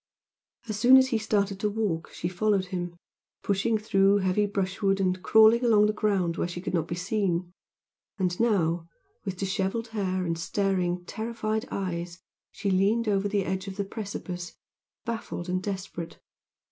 As soon as he started to walk she followed him, pushing through heavy brushwood and crawling along the ground where she could not be seen; and now, with dishevelled hair, and staring, terrified eyes she leaned over the edge of the precipice, baffled and desperate.